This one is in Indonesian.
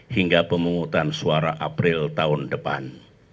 hingga pemungutan suara april tahun depan